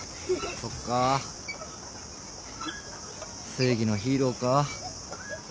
正義のヒーローか。